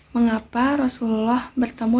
mengapa rasulullah bertemu